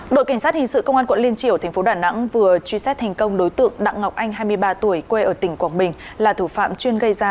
đội cảnh sát hình sự công an quận liên triểu tp đà nẵng vừa truy xét thành công đối tượng đặng ngọc anh hai mươi ba tuổi quê ở tỉnh quảng bình là thủ phạm chuyên gây ra